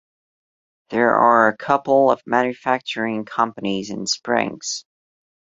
There are a couple of manufacturing companies in Springs.